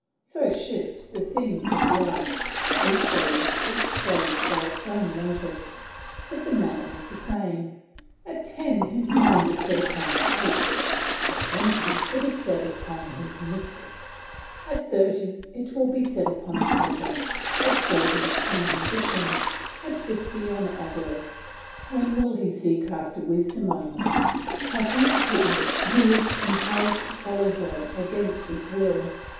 So shift the scenes of life; each age is swayed by its own motives, but the man is the same. At ten his mind was set upon cakes, at twenty it is set upon his mistress; at thirty it will be set upon pleasure; at forty on ambition, at fifty on avarice; when will he seek after wisdom only? Happy is he who is compelled to follow her against his will!